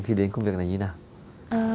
khi đến công việc này như thế nào